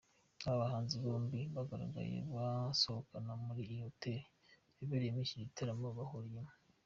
Aba bahanzi bombi, bagaragaye basohokana muri iyi hoteli yabereyemo iki gitaramo bahuriyemo.